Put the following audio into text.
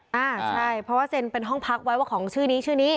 อ่าใช่เพราะว่าเซ็นเป็นห้องพักไว้ว่าของชื่อนี้ชื่อนี้